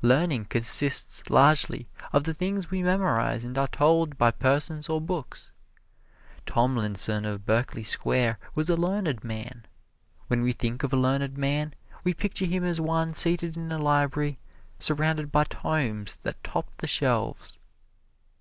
Learning consists largely of the things we memorize and are told by persons or books. Tomlinson of Berkeley Square was a learned man. When we think of a learned man, we picture him as one seated in a library surrounded by tomes that top the shelves.